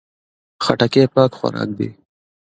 خټکی پاک خوراک دی.